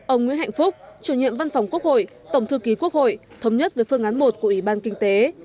ông nguyễn hạnh phúc chủ nhiệm văn phòng quốc hội tổng thư ký quốc hội thống nhất với phương án một của ủy ban kinh tế